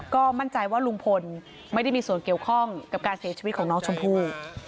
ก็มั่นใจว่าลุงพลไม่ได้มีส่วนเกี่ยวข้องกับการเสียชีวิตของน้องชมพู่